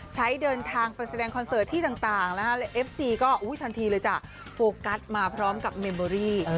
เดินทางไปแสดงคอนเสิร์ตที่ต่างนะคะและเอฟซีก็ทันทีเลยจ้ะโฟกัสมาพร้อมกับเมมเบอรี่